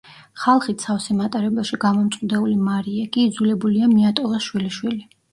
ხალხით სავსე მატარებელში გამომწყვდეული მარიე კი იძულებულია მიატოვოს შვილიშვილი.